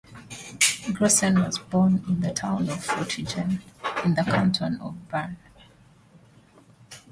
Grossen was born in the town of Frutigen in the Canton of Bern.